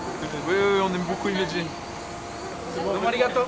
ありがとう。